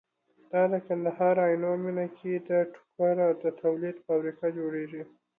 دا د کندهار عينو مينه کې ده ټوکر د تولید فابريکه جوړيږي